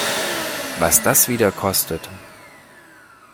Was das wieder kostet!